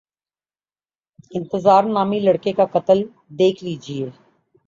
انتظار نامی لڑکے کا قتل دیکھ لیجیے۔